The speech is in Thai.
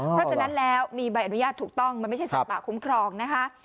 เพราะฉะนั้นแล้วมีใบอนุญาตถูกต้องมันไม่ใช่สัตว์ป่าคุ้มครองนะคะ